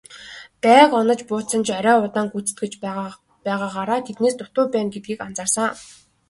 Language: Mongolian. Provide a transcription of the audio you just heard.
Байг онож буудсан ч арай удаан гүйцэтгэж байгаагаараа тэднээс дутуу байна гэдгийг анзаарсан.